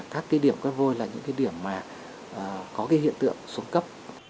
các điểm quét vôi là những điểm có hiện tượng xuống cấp